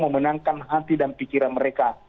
memenangkan hati dan pikiran mereka